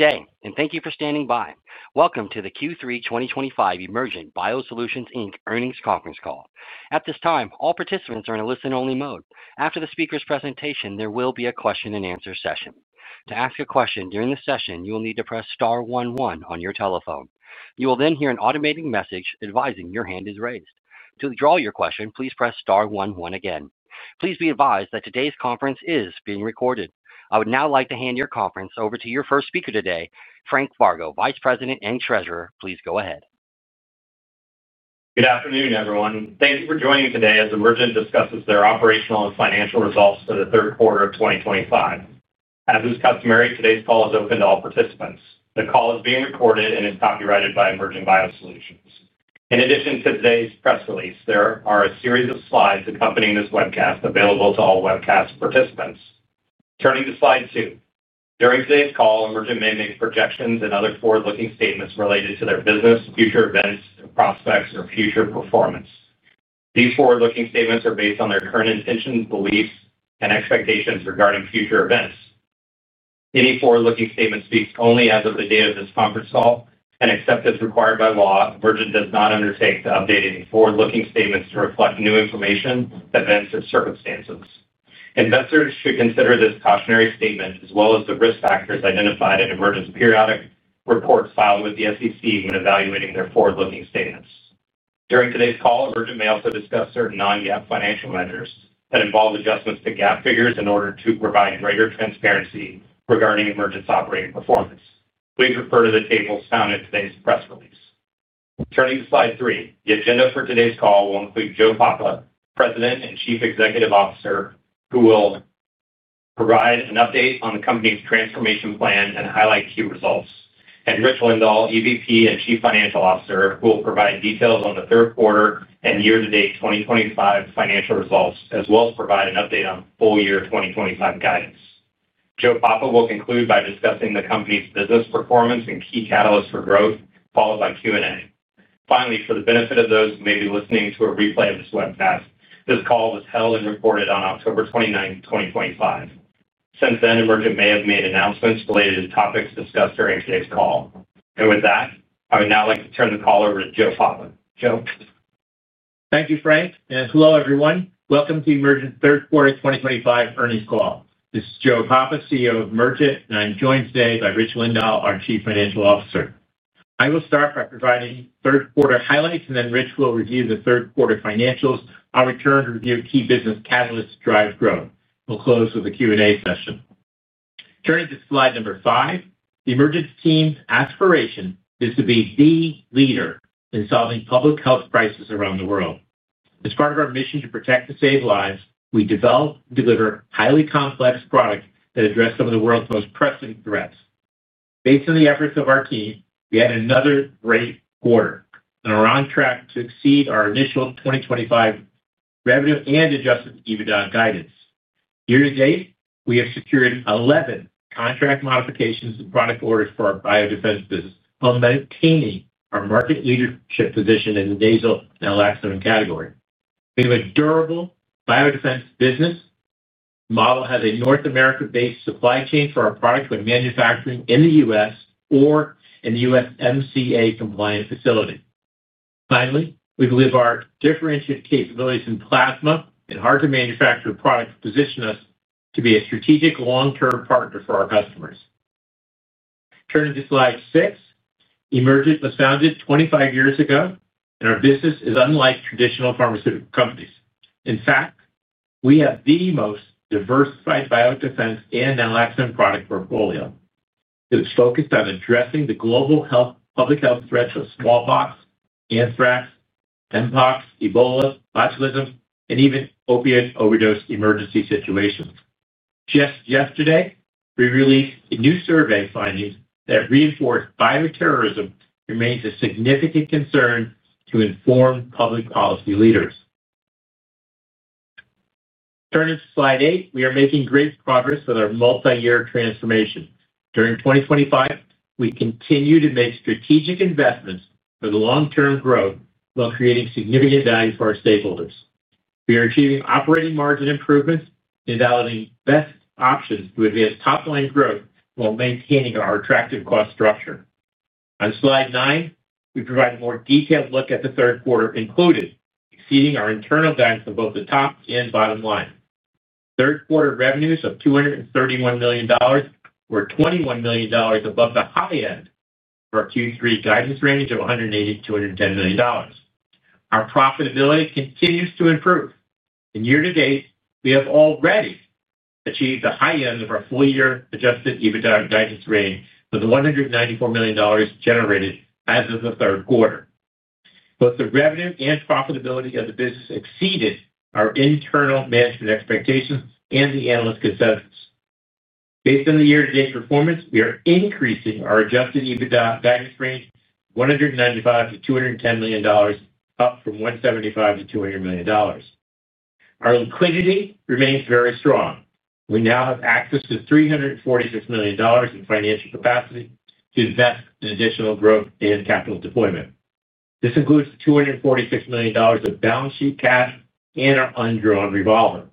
Good day, and thank you for standing by. Welcome to the Q3 2025 Emergent BioSolutions Inc earnings conference call. At this time, all participants are in a listen-only mode. After the speaker's presentation, there will be a question-and-answer session. To ask a question during the session, you will need to press star one one on your telephone. You will then hear an automated message advising your hand is raised. To withdraw your question, please press star one one again. Please be advised that today's conference is being recorded. I would now like to hand your conference over to your first speaker today, Frank Vargo, Vice President and Treasurer. Please go ahead. Good afternoon, everyone. Thank you for joining today as Emergent BioSolutions discusses their operational and financial results for the third quarter of 2025. As is customary, today's call is open to all participants. The call is being recorded and is copyrighted by Emergent BioSolutions. In addition to today's press release, there are a series of slides accompanying this webcast available to all webcast participants. Turning to slide two. During today's call, Emergent BioSolutions may make projections and other forward-looking statements related to their business, future events, prospects, or future performance. These forward-looking statements are based on their current intentions, beliefs, and expectations regarding future events. Any forward-looking statement speaks only as of the date of this conference call and except as required by law. Emergent BioSolutions does not undertake to update any forward-looking statements to reflect new information, events, or circumstances. Investors should consider this cautionary statement as well as the risk factors identified in Emergent BioSolutions' periodic reports filed with the SEC when evaluating their forward-looking statements. During today's call, Emergent BioSolutions may also discuss certain non-GAAP financial measures that involve adjustments to GAAP figures in order to provide greater transparency regarding Emergent BioSolutions' operating performance. Please refer to the tables found in today's press release. Turning to slide three, the agenda for today's call will include Joe Papa, President and Chief Executive Officer, who will provide an update on the company's transformation plan and highlight key results, and Rich Lindahl, EVP and Chief Financial Officer, who will provide details on the third quarter and year-to-date 2025 financial results, as well as provide an update on full-year 2025 guidance. Joe Papa will conclude by discussing the company's business performance and key catalysts for growth, followed by Q&A. Finally, for the benefit of those who may be listening to a replay of this webcast, this call was held and recorded on October 29, 2025. Since then, Emergent BioSolutions may have made announcements related to topics discussed during today's call. With that, I would now like to turn the call over to Joe Papa. Joe. Thank you, Frank, and hello everyone. Welcome to Emergent BioSolutions' third quarter 2025 earnings call. This is Joe Papa, CEO of Emergent, and I'm joined today by Rich Lindahl, our Chief Financial Officer. I will start by providing third quarter highlights, and then Rich will review the third quarter financials. I'll return to review key business catalysts to drive growth. We'll close with a Q&A session. Turning to slide number five, the Emergent team's aspiration is to be the leader in solving public health crises around the world. As part of our mission to protect and save lives, we develop and deliver highly complex products that address some of the world's most pressing threats. Based on the efforts of our team, we had another great quarter, and we're on track to exceed our initial 2025 revenue and adjusted EBITDA guidance. year-to-date, we have secured 11 contract modifications and product orders for our biodefense business, while maintaining our market leadership position in the nasal naloxone category. We have a durable biodefense business model that has a North America-based supply chain for our product when manufacturing in the U.S. or in the USMCA compliant facility. Finally, we believe our differentiated capabilities in plasma and hard-to-manufacture products position us to be a strategic long-term partner for our customers. Turning to slide six, Emergent was founded 25 years ago, and our business is unlike traditional pharmaceutical companies. In fact, we have the most diversified biodefense and naloxone product portfolio. It is focused on addressing the global public health threats of smallpox, anthrax, mpox, Ebola, botulism, and even opioid overdose emergency situations. Just yesterday, we released a new survey finding that reinforced bioterrorism remains a significant concern to inform public policy leaders. Turning to slide eight, we are making great progress with our multi-year transformation. During 2025, we continue to make strategic investments for long-term growth while creating significant value for our stakeholders. We are achieving operating margin improvements and validating best options to advance top-line growth while maintaining our attractive cost structure. On slide nine, we provide a more detailed look at the third quarter, including exceeding our internal guidance of both the top and bottom line. Third quarter revenues of $231 million were $21 million above the high end for our Q3 guidance range of $180 million-$210 million. Our profitability continues to improve. Year-to-date, we have already achieved the high end of our full-year adjusted EBITDA guidance range with $194 million generated as of the third quarter. Both the revenue and profitability of the business exceeded our internal management expectations and the analyst consensus. Based on the year-to-date performance, we are increasing our adjusted EBITDA guidance range from $195 million-$210 million, up from $175 million-$200 million. Our liquidity remains very strong. We now have access to $346 million in financial capacity to invest in additional growth and capital deployment. This includes $246 million of balance sheet cash and our undrawn revolver.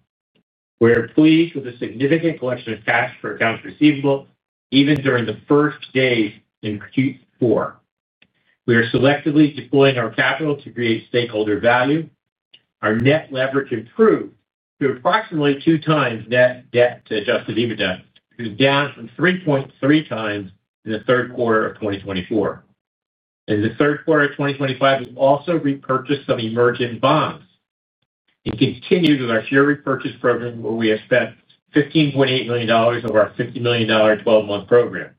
We are pleased with a significant collection of cash for accounts receivable, even during the first days in Q4. We are selectively deploying our capital to create stakeholder value. Our net leverage improved to approximately two times net debt to adjusted EBITDA, which is down from 3.3x in the third quarter of 2024. In the third quarter of 2025, we also repurchased some Emergent bonds and continued with our share repurchase program, where we have spent $15.8 million over our $50 million 12-month program.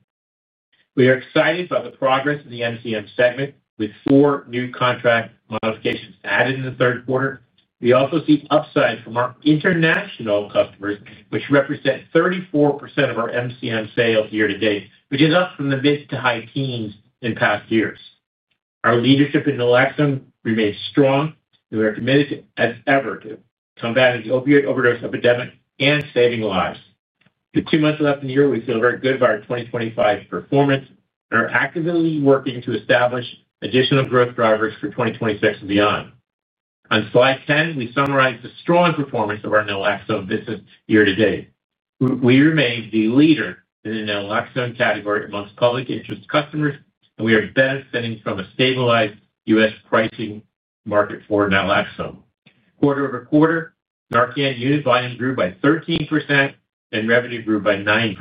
We are excited by the progress of the MCM segment, with four new contract modifications added in the third quarter. We also see upside from our international customers, which represent 34% of our MCM sales year-to-date, up from the mid to high teens in past years. Our leadership in naloxone remains strong, and we are committed, as ever, to combating the opioid overdose epidemic and saving lives. With two months left in the year, we feel very good about our 2025 performance and are actively working to establish additional growth drivers for 2026 and beyond. On slide 10, we summarize the strong performance of our naloxone business year-to-date. We remain the leader in the naloxone category amongst public interest customers, and we are benefiting from a stabilized U.S. pricing market for naloxone. Quarter-over-quarter, NARCAN unit volume grew by 13% and revenue grew by 9%.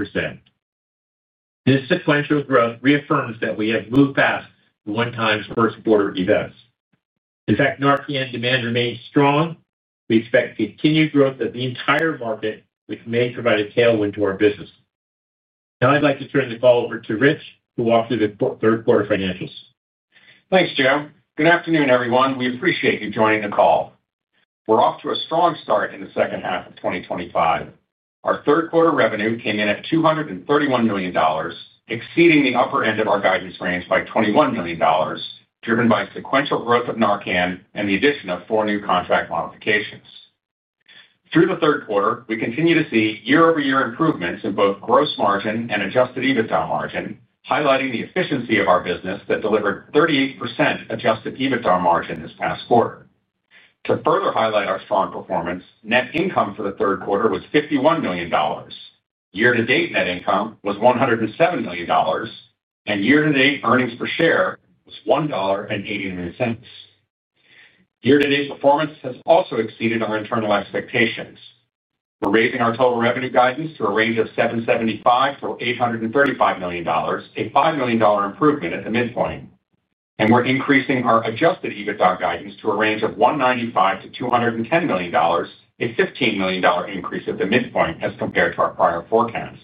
This sequential growth reaffirms that we have moved past the one-time first quarter events. In fact, NARCAN demand remains strong. We expect continued growth of the entire market, which may provide a tailwind to our business. Now I'd like to turn the call over to Rich, who will walk through the third quarter financials. Thanks, Joe. Good afternoon, everyone. We appreciate you joining the call. We're off to a strong start in the second half of 2025. Our third quarter revenue came in at $231 million, exceeding the upper end of our guidance range by $21 million, driven by sequential growth of NARCAN Nasal Spray and the addition of four new contract modifications. Through the third quarter, we continue to see year-over-year improvements in both gross margin and adjusted EBITDA margin, highlighting the efficiency of our business that delivered 38% adjusted EBITDA margin this past quarter. To further highlight our strong performance, net income for the third quarter was $51 million. Year-to-date net income was $107 million, and year-to-date earnings per share was $1.89. Year-to-date performance has also exceeded our internal expectations. We're raising our total revenue guidance to a range of $775 million-$835 million, a $5 million improvement at the midpoint. We're increasing our adjusted EBITDA guidance to a range of $195 million-$210 million, a $15 million increase at the midpoint as compared to our prior forecast.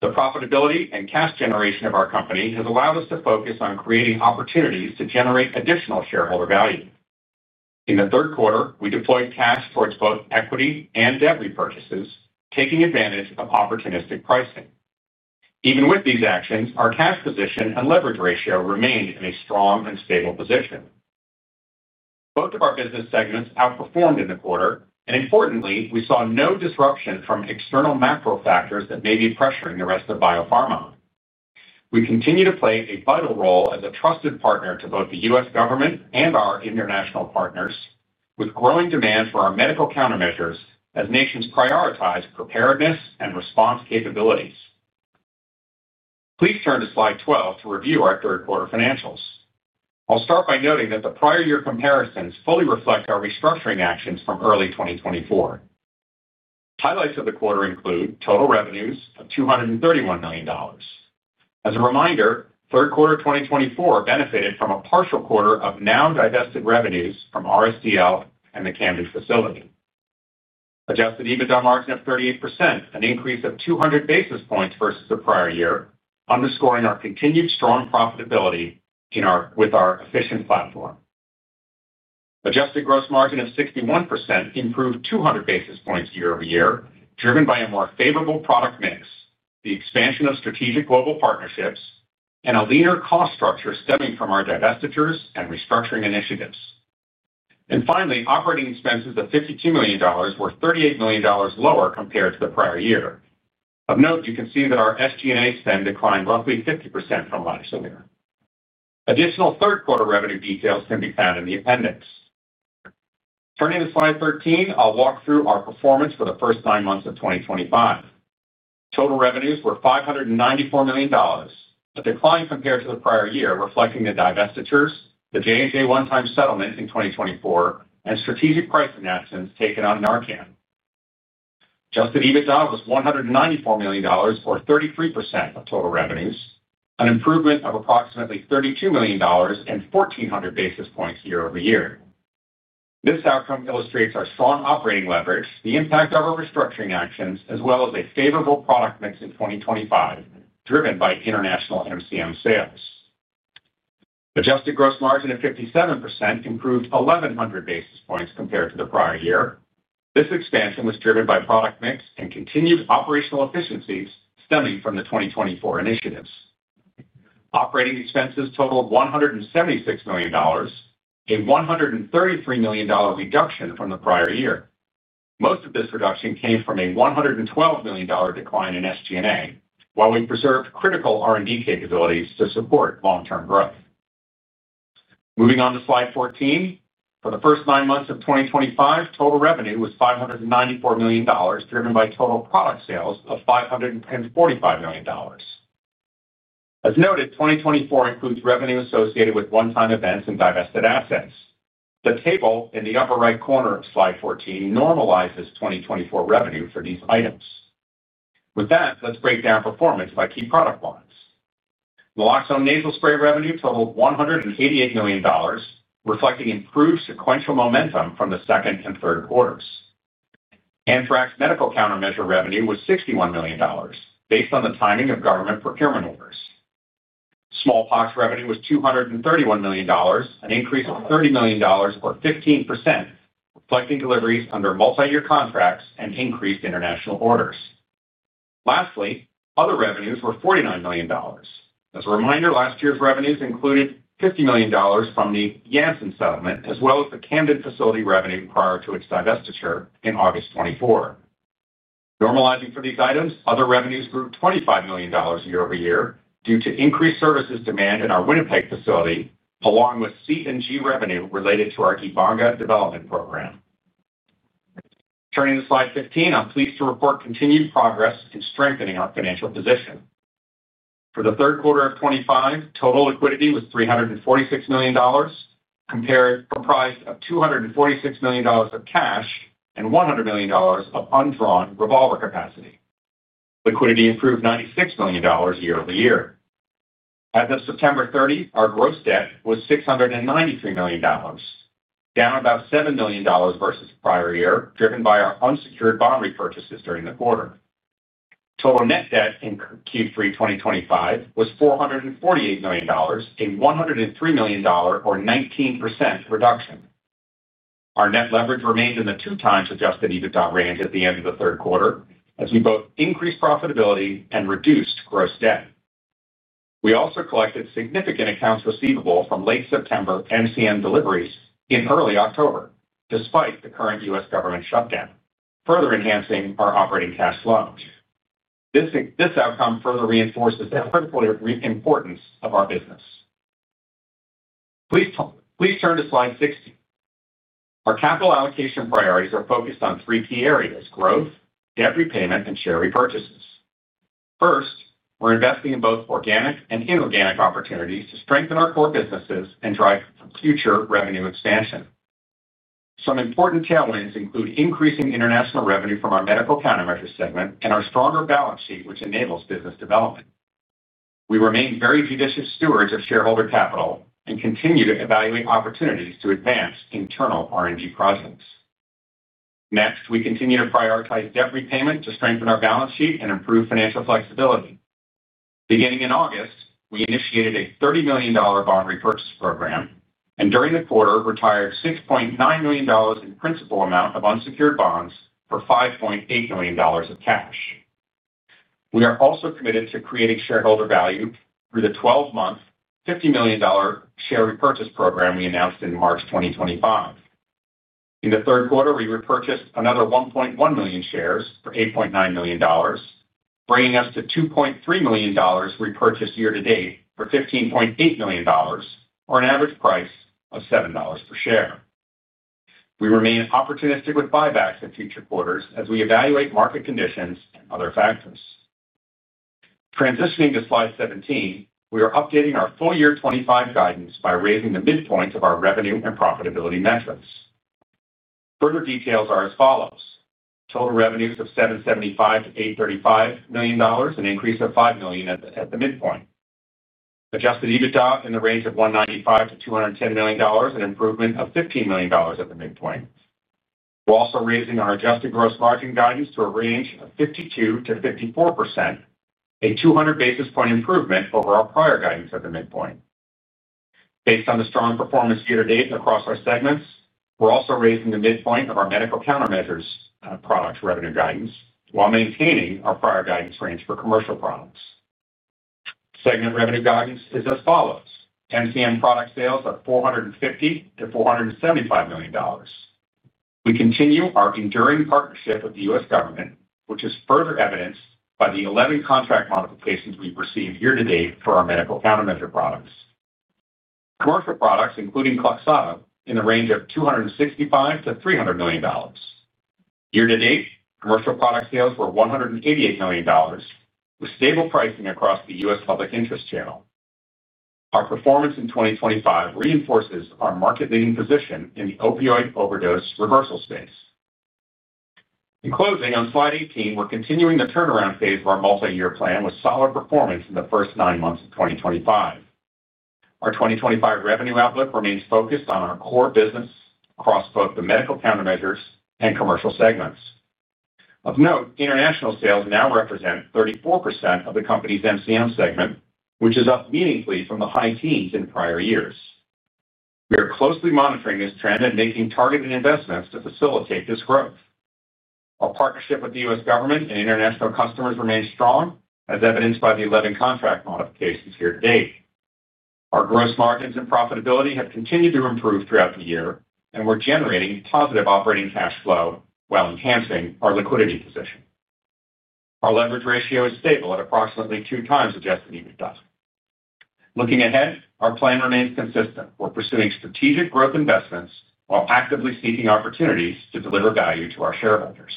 The profitability and cash generation of our company has allowed us to focus on creating opportunities to generate additional shareholder value. In the third quarter, we deployed cash towards both equity and debt repurchases, taking advantage of opportunistic pricing. Even with these actions, our cash position and leverage ratio remained in a strong and stable position. Both of our business segments outperformed in the quarter, and importantly, we saw no disruption from external macroeconomic pressures that may be pressuring the rest of biopharma. We continue to play a vital role as a trusted partner to both the U.S. government and our international partners, with growing demand for our MCM as nations prioritize preparedness and response capabilities. Please turn to slide 12 to review our third quarter financials. I'll start by noting that the prior year comparisons fully reflect our restructuring actions from early 2024. Highlights of the quarter include total revenues of $231 million. As a reminder, third quarter 2024 benefited from a partial quarter of now divested revenues from RSDL and the Cambridge facility. Adjusted EBITDA margin of 38%, an increase of 200 basis points versus the prior year, underscoring our continued strong profitability with our efficient platform. Adjusted gross margin of 61% improved 200 basis points year-over-year, driven by a more favorable product mix, the expansion of strategic global partnerships, and a leaner cost structure stemming from our divestitures and restructuring initiatives. Operating expenses of $52 million were $38 million lower compared to the prior year. Of note, you can see that our SG&A spend declined roughly 50% from last year. Additional third quarter revenue details can be found in the appendix. Turning to slide 13, I'll walk through our performance for the first nine months of 2025. Total revenues were $594 million, a decline compared to the prior year, reflecting the divestitures, the J&J one-time settlement in 2024, and strategic pricing actions taken on NARCAN. Adjusted EBITDA was $194 million or 33% of total revenues, an improvement of approximately $32 million and 1,400 basis points year-over-year. This outcome illustrates our strong operating leverage, the impact of our restructuring actions, as well as a favorable product mix in 2025, driven by international MCM sales. Adjusted gross margin of 57% improved 1,100 basis points compared to the prior year. This expansion was driven by product mix and continued operational efficiencies stemming from the 2024 initiatives. Operating expenses totaled $176 million, a $133 million reduction from the prior year. Most of this reduction came from a $112 million decline in SG&A, while we preserved critical R&D capabilities to support long-term growth. Moving on to slide 14, for the first nine months of 2025, total revenue was $594 million, driven by total product sales of $545 million. As noted, 2024 includes revenue associated with one-time events and divested assets. The table in the upper right corner of slide 14 normalizes 2024 revenue for these items. With that, let's break down performance by key product lines. Naloxone nasal spray revenue totaled $188 million, reflecting improved sequential momentum from the second and third quarters. Anthrax medical countermeasure revenue was $61 million, based on the timing of government procurement orders. Smallpox revenue was $231 million, an increase of $30 million or 15%, reflecting deliveries under multi-year contracts and increased international orders. Lastly, other revenues were $49 million. As a reminder, last year's revenues included $50 million from the Janssen settlement, as well as the Camden facility revenue prior to its divestiture in August 2024. Normalizing for these items, other revenues grew $25 million year-over-year due to increased services demand in our Winnipeg facility, along with CNG revenue related to our Ibonga development program. Turning to slide 15, I'm pleased to report continued progress in strengthening our financial position. For the third quarter of 2025, total liquidity was $346 million, comprised of $246 million of cash and $100 million of undrawn revolver capacity. Liquidity improved $96 million year-over-year. As of September 30, our gross debt was $693 million, down about $7 million versus the prior year, driven by our unsecured bond repurchases during the quarter. Total net debt in Q3 2025 was $448 million, a $103 million or 19% reduction. Our net leverage remained in the 2x adjusted EBITDA range at the end of the third quarter, as we both increased profitability and reduced gross debt. We also collected significant accounts receivable from late September MCM deliveries in early October, despite the current U.S. government shutdown, further enhancing our operating cash flows. This outcome further reinforces the critical importance of our business. Please turn to slide 60. Our capital allocation priorities are focused on three key areas: growth, debt repayment, and share repurchases. First, we're investing in both organic and inorganic opportunities to strengthen our core businesses and drive future revenue expansion. Some important tailwinds include increasing international revenue from our medical countermeasure segment and our stronger balance sheet, which enables business development. We remain very judicious stewards of shareholder capital and continue to evaluate opportunities to advance internal R&D projects. Next, we continue to prioritize debt repayment to strengthen our balance sheet and improve financial flexibility. Beginning in August, we initiated a $30 million bond repurchase program and during the quarter retired $6.9 million in principal amount of unsecured bonds for $5.8 million of cash. We are also committed to creating shareholder value through the 12-month $50 million share repurchase program we announced in March 2025. In the third quarter, we repurchased another 1.1 million shares for $8.9 million, bringing us to 2.3 million shares repurchased year-to-date for $15.8 million, or an average price of $7 per share. We remain opportunistic with buybacks in future quarters as we evaluate market conditions and other factors. Transitioning to slide 17, we are updating our full year 2025 guidance by raising the midpoint of our revenue and profitability metrics. Further details are as follows: total revenues of $775 million-$835 million, an increase of $5 million at the midpoint. Adjusted EBITDA in the range of $195 million-$210 million, an improvement of $15 million at the midpoint. We're also raising our adjusted gross margin guidance to a range of 52%-54%, a 200 basis point improvement over our prior guidance at the midpoint. Based on the strong performance year-to-date across our segments, we're also raising the midpoint of our MCM product revenue guidance while maintaining our prior guidance range for commercial products. Segment revenue guidance is as follows: MCM product sales of $450 million-$475 million. We continue our enduring partnership with the U.S. government, which is further evidenced by the 11 contract modifications we've received year-to-date for our MCM products. Commercial products, including Nasal, in the range of million-$300 million. Year-to-date, commercial product sales were $188 million, with stable pricing across the U.S. public interest channel. Our performance in 2025 reinforces our market-leading position in the opioid overdose reversal space. In closing, on slide 18, we're continuing the turnaround phase of our multi-year plan with solid performance in the first nine months of 2025. Our 2025 revenue outlook remains focused on our core business across both the MCM and commercial segments. Of note, international sales now represent 34% of the company's MCM segment, which is up meaningfully from the high teens in prior years. We are closely monitoring this trend and making targeted investments to facilitate this growth. Our partnership with the U.S. government and international customers remains strong, as evidenced by the 11 contract modifications year-to-date. Our gross margins and profitability have continued to improve throughout the year, and we're generating positive operating cash flow while enhancing our liquidity position. Our leverage ratio is stable at approximately 2x adjusted EBITDA. Looking ahead, our plan remains consistent. We're pursuing strategic growth investments while actively seeking opportunities to deliver value to our shareholders.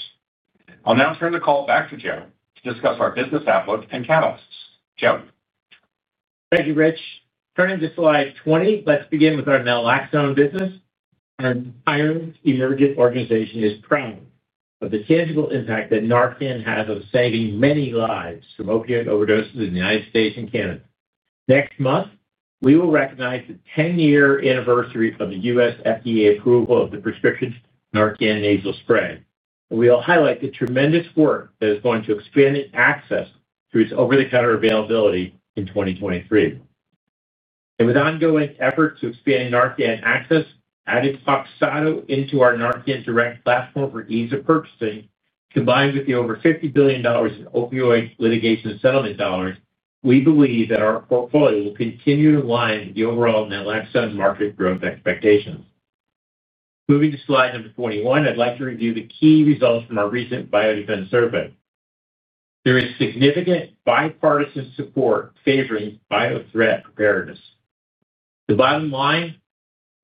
I'll now turn the call back to Joe to discuss our business outlook and catalysts. Joe. Thank you, Rich. Turning to slide 20, let's begin with our naloxone business. Our iron-forget organization is proud of the tangible impact that NARCAN has on saving many lives from opioid overdoses in the U.S. and Canada. Next month, we will recognize the 10-year anniversary of the U.S. FDA approval of the prescription NARCAN Nasal Spray. We will highlight the tremendous work that is going to expand access to its over-the-counter availability in 2023. With ongoing efforts to expand NARCAN access, adding Clexana into our NARCAN Direct platform for ease of purchasing, combined with the over $50 billion in opioid litigation and settlement dollars, we believe that our portfolio will continue to align with the overall naloxone market growth expectations. Moving to slide number 21, I'd like to review the key results from our recent biodefense survey. There is significant bipartisan support favoring bioterrorist preparedness. The bottom line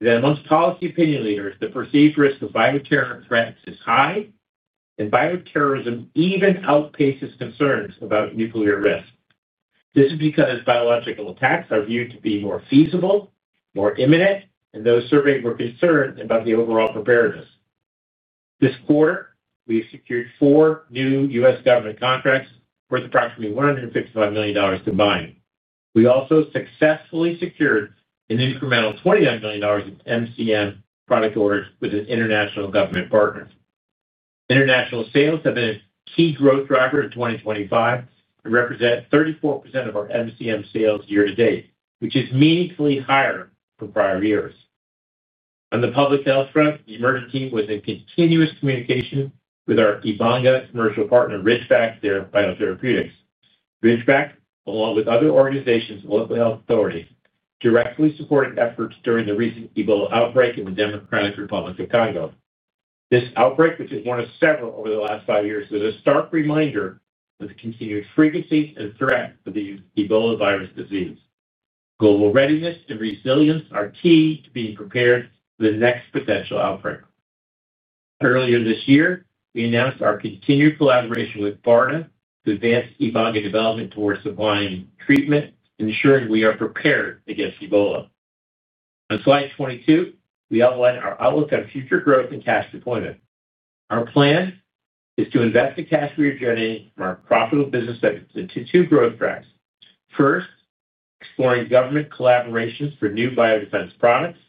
is that amongst policy opinion leaders, the perceived risk of bioterrorist threats is high, and bioterrorism even outpaces concerns about nuclear risk. This is because biological attacks are viewed to be more feasible, more imminent, and those surveyed were concerned about the overall preparedness. This quarter, we have secured four new U.S. government contracts worth approximately $155 million combined. We also successfully secured an incremental $29 million of MCM product orders with an international government partner. International sales have been a key growth driver in 2025 and represent 34% of our MCM sales year-to-date, which is meaningfully higher from prior years. On the public health front, the Emergent team was in continuous communication with our Ibonga commercial partner, Ridgeback Therapeutics. Ridgeback, along with other organizations and local health authorities, directly supported efforts during the recent Ebola outbreak in the Democratic Republic of Congo. This outbreak, which is one of several over the last five years, was a stark reminder of the continued frequency and threat of the Ebola virus disease. Global readiness and resilience are key to being prepared for the next potential outbreak. Earlier this year, we announced our continued collaboration with BARDA to advance Ibonga development towards supplying treatment, ensuring we are prepared against Ebola. On slide 22, we outline our outlook on future growth and cash deployment. Our plan is to invest the cash we are generating from our profitable business segments into two growth tracks. First, exploring government collaborations for new biodefense products.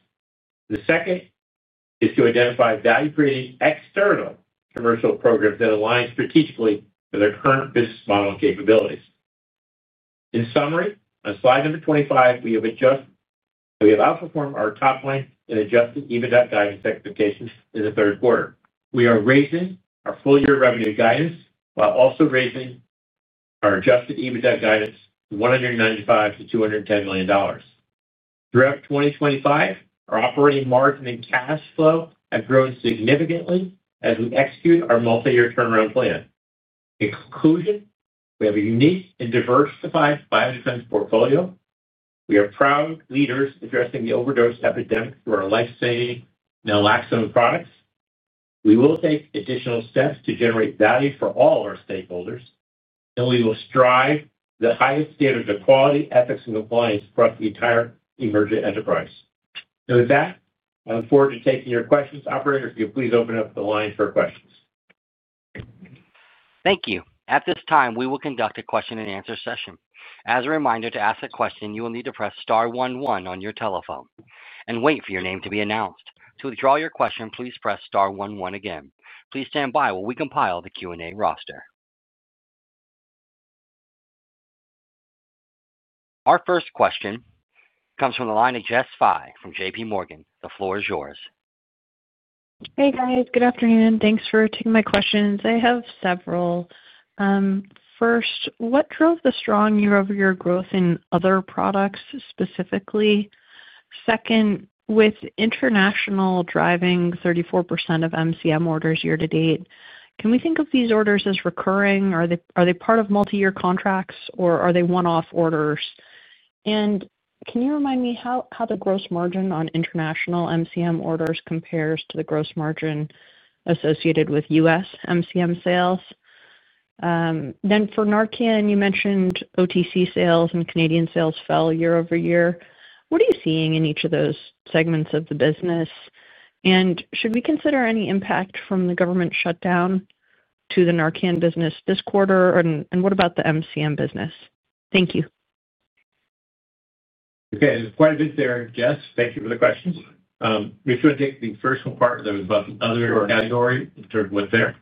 The second is to identify value-creating external commercial programs that align strategically with our current business model and capabilities. In summary, on slide number 25, we have adjusted and we have outperformed our top-line and adjusted EBITDA guidance expectations in the third quarter. We are raising our full-year revenue guidance while also raising our adjusted EBITDA guidance to $195 million-$210 million. Throughout 2025, our operating margin and cash flow have grown significantly as we execute our multi-year turnaround plan. In conclusion, we have a unique and diversified biodefense portfolio. We are proud leaders addressing the overdose epidemic through our life-saving naloxone products. We will take additional steps to generate value for all our stakeholders, and we will strive for the highest standards of quality, ethics, and compliance across the entire Emergent enterprise. I look forward to taking your questions. Operator, if you could please open up the line for questions. Thank you. At this time, we will conduct a question-and-answer session. As a reminder, to ask a question, you will need to press star one one on your telephone and wait for your name to be announced. To withdraw your question, please press star one one again. Please stand by while we compile the Q&A roster. Our first question comes from the line of Jessica Fye from JPMorgan. The floor is yours. Hey, guys. Good afternoon. Thanks for taking my questions. I have several. First, what drove the strong year-over-year growth in other products specifically? Second, with international driving 34% of MCM orders year-to-date, can we think of these orders as recurring? Are they part of multi-year contracts, or are they one-off orders? Can you remind me how the gross margin on international MCM orders compares to the gross margin associated with U.S. MCM sales? For NARCAN, you mentioned OTC sales and Canadian sales fell year-over-year. What are you seeing in each of those segments of the business? Should we consider any impact from the government shutdown to the NARCAN business this quarter? What about the MCM business? Thank you. Okay. There's quite a bit there, Jess. Thank you for the questions. Rich, do you want to take the first part that was about the other category and sort of what's there?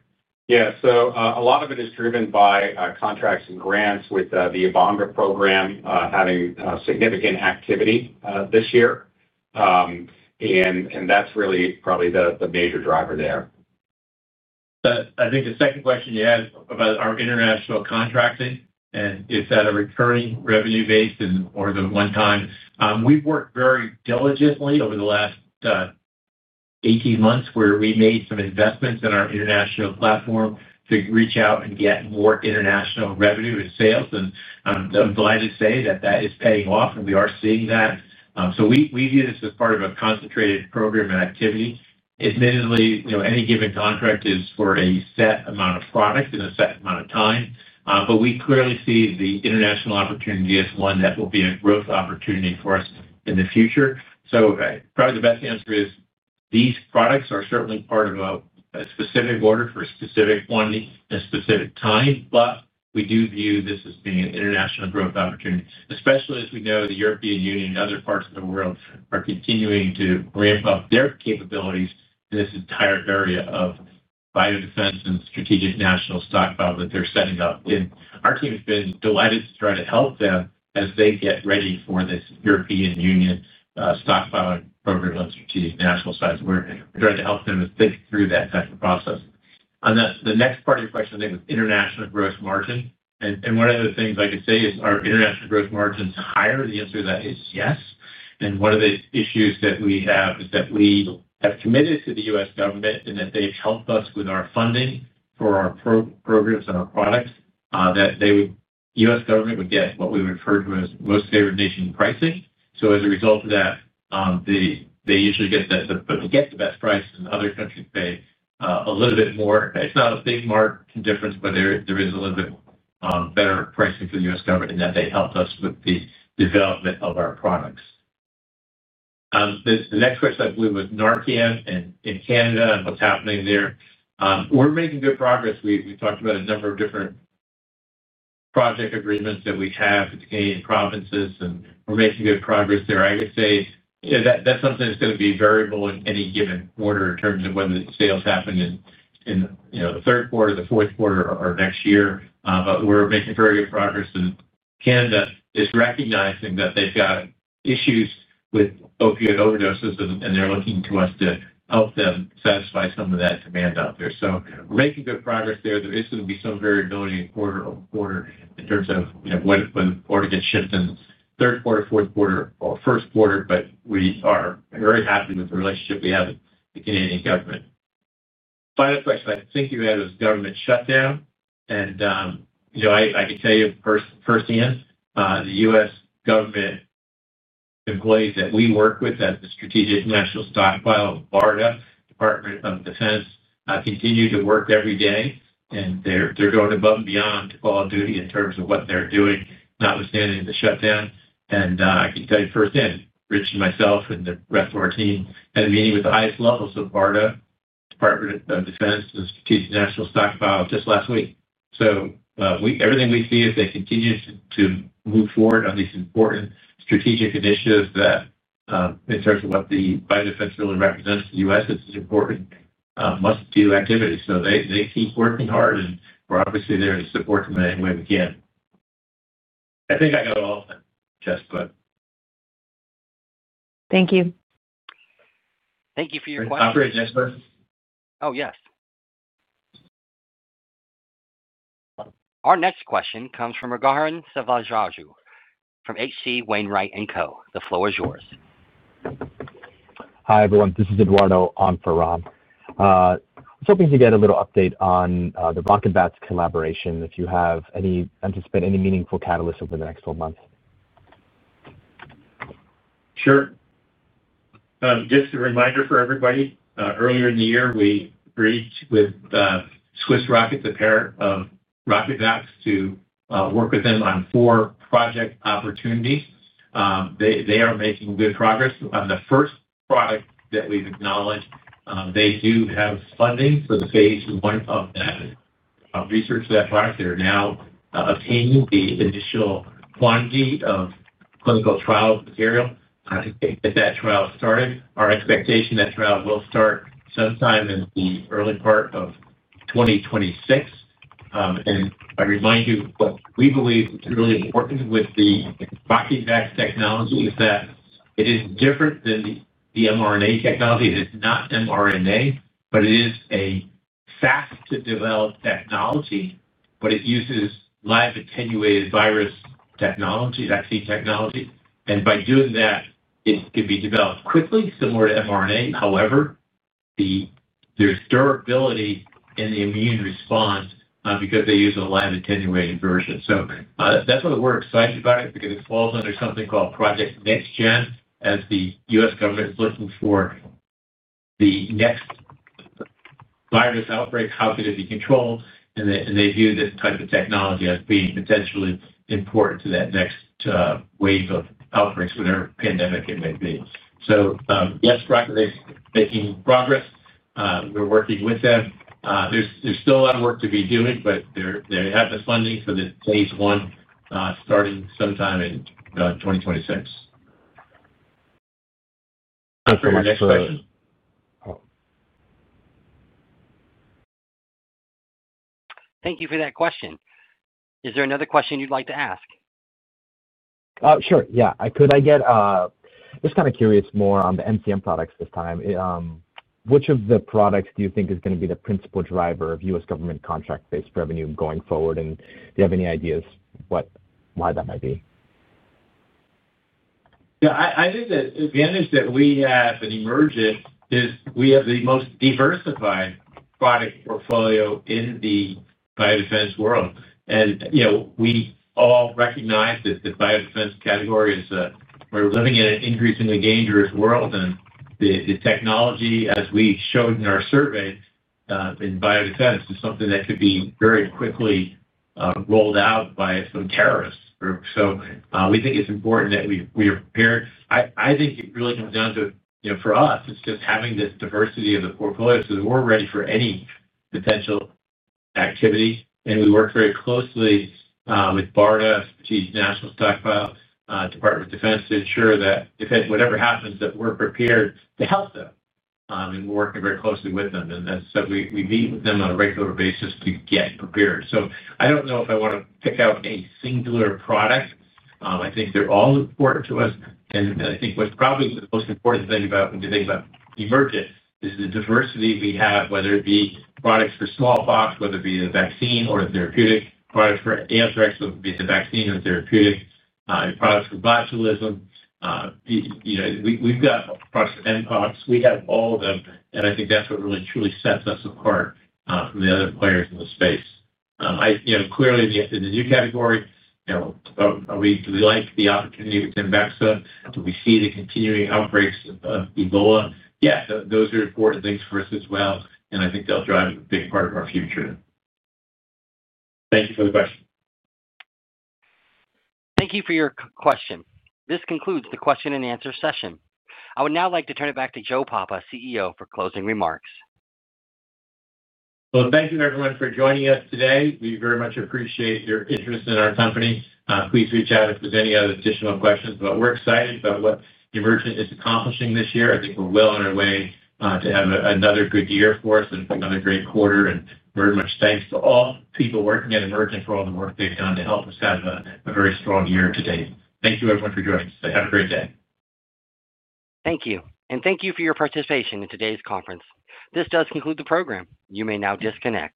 A lot of it is driven by contracts and grants with the EBOD program having significant activity this year. That's really probably the major driver there. I think the second question you asked about our international contracting, and is that a recurring revenue-based or a one-time? We've worked very diligently over the last 18 months where we made some investments in our international platform to reach out and get more international revenue and sales. I'm glad to say that is paying off, and we are seeing that. We view this as part of a concentrated program and activity. Admittedly, any given contract is for a set amount of product in a set amount of time. We clearly see the international opportunity as one that will be a growth opportunity for us in the future. Probably the best answer is these products are certainly part of a specific order for a specific quantity at a specific time. We do view this as being an international growth opportunity, especially as we know the European Union and other parts of the world are continuing to ramp up their capabilities in this entire area of biodefense and strategic national stockpile that they're setting up. Our team has been delighted to try to help them as they get ready for this European Union stockpiling program on strategic national size. We're trying to help them think through that type of process. On the next part of your question, I think it was international gross margin. One of the things I could say is, are international gross margins higher? The answer to that is yes. One of the issues that we have is that we have committed to the U.S. government and that they've helped us with our funding for our programs and our products, that the U.S. government would get what we refer to as most-favored-nation pricing. As a result of that, they usually get the best price, and other countries pay a little bit more. It's not a big mark difference, but there is a little bit more better pricing for the U.S. government in that they helped us with the development of our products. The next question, I believe, was NARCAN and in Canada and what's happening there. We're making good progress. We talked about a number of different project agreements that we have with the Canadian provinces, and we're making good progress there. I would say that that's something that's going to be variable in any given order in terms of when the sales happen in the third quarter, the fourth quarter, or next year. We're making very good progress. Canada is recognizing that they've got issues with opioid overdoses, and they're looking to us to help them satisfy some of that demand out there. We're making good progress there. There is going to be some variability in quarter-over-quarter in terms of whether the order gets shipped in the third quarter, fourth quarter, or first quarter. We are very happy with the relationship we have with the Canadian government. Final question I think you had was government shutdown. I can tell you firsthand, the U.S. government employees that we work with at the Strategic National Stockpile of BARDA, Department of Defense, continue to work every day, and they're going above and beyond to full duty in terms of what they're doing, notwithstanding the shutdown. I can tell you firsthand, Rich and myself and the rest of our team had a meeting with the highest levels of BARDA, Department of Defense, and the Strategic National Stockpile just last week. Everything we see is they continue to move forward on these important strategic initiatives that, in terms of what the biodefense really represents to the U.S., it's an important must-do activity. They keep working hard, and we're obviously there to support them in any way we can. I think I got all of them, Jess, but. Thank you. Thank you for your question. Operator, next question? Oh, yes. Our next question comes from Rahman Savarajaju from H.C. Wainwright and Co. The floor is yours. Hi, everyone. This is Eduardo on Faram. I was hoping to get a little update on the RocketVax collaboration, if you have any anticipate any meaningful catalysts over the next 12 months. Sure. Just a reminder for everybody, earlier in the year, we bridged with Swiss Rockets a pair of RocketVax to work with them on four project opportunities. They are making good progress on the first product that we've acknowledged. They do have funding for the phase one of that research for that product. They're now obtaining the initial quantity of clinical trial material. I think that that trial started. Our expectation is that trial will start sometime in the early part of 2026. I remind you what we believe is really important with the RocketVax technology is that it is different than the mRNA technology. It is not mRNA, but it is a fast-to-develop technology, but it uses live attenuated virus technology, vaccine technology. By doing that, it can be developed quickly, similar to mRNA. However, there's durability in the immune response because they use a live attenuated version. That's why we're excited about it because it falls under something called Project NextGen, as the U.S. government is looking for the next virus outbreak. How could it be controlled? They view this type of technology as being potentially important to that next wave of outbreaks, whatever pandemic it may be. Yes, they're making progress. We're working with them. There's still a lot of work to be doing, but they have the funding for the phase one starting sometime in 2026. Thank you. For my next question. Thank you for that question. Is there another question you'd like to ask? Sure. Could I get just kind of curious more on the MCM products this time? Which of the products do you think is going to be the principal driver of U.S. government contract-based revenue going forward? Do you have any ideas why that might be? Yeah. I think the advantage that we have in Emergent is we have the most diversified product portfolio in the biodefense world. You know, we all recognize that the biodefense category is, we're living in an increasingly dangerous world. The technology, as we showed in our survey, in biodefense, is something that could be very quickly rolled out by some terrorist groups. We think it's important that we are prepared. I think it really comes down to, you know, for us, it's just having this diversity of the portfolio so that we're ready for any potential activity. We work very closely with BARDA, Strategic National Stockpile, Department of Defense, to ensure that if whatever happens, that we're prepared to help them. We're working very closely with them, and we meet with them on a regular basis to get prepared. I don't know if I want to pick out a singular product. I think they're all important to us. I think what's probably the most important thing about when you think about Emergent is the diversity we have, whether it be products for smallpox, whether it be a vaccine or a therapeutic product for anthrax, whether it be the vaccine or therapeutic products for botulism. We've got products for mpox. We have all of them. I think that's what really truly sets us apart from the other players in the space. Clearly, the new category, you know, do we like the opportunity within vaccine? Do we see the continuing outbreaks of Ebola? Yeah, those are important things for us as well. I think they'll drive a big part of our future. Thank you for the question. Thank you for your question. This concludes the question-and-answer session. I would now like to turn it back to Joe Papa, CEO, for closing remarks. Thank you, everyone, for joining us today. We very much appreciate your interest in our company. Please reach out if there's any other additional questions. We're excited about what Emergent BioSolutions is accomplishing this year. I think we're well on our way to have another good year for us and another great quarter. Very much thanks to all the people working at Emergent BioSolutions for all the work they've done to help us have a very strong year today. Thank you, everyone, for joining us today. Have a great day. Thank you. Thank you for your participation in today's conference. This does conclude the program. You may now disconnect.